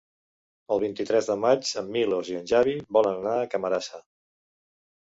El vint-i-tres de maig en Milos i en Xavi volen anar a Camarasa.